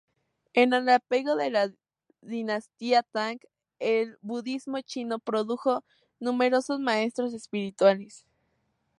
En el apogeo de la dinastía Tang, el budismo chino produjo numerosos maestros espirituales